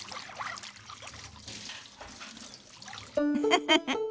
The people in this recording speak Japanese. ウフフフ。